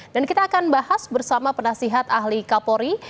dan kita akan bahas bersama penasihat ahli kapolri